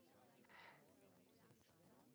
Abdominal scales smooth, roundish, imbricate.